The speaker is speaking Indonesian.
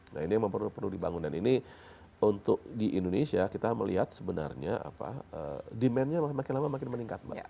nah ini yang perlu dibangun dan ini untuk di indonesia kita melihat sebenarnya demandnya makin lama makin meningkat mbak